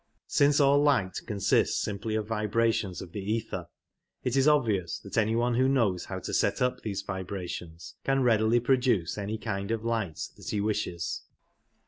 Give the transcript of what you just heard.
Since all light consists simply of vibrations of the ether, it is obvious that any one who knows, how to set up these vibrations can readily produce any kind of light that he wishes.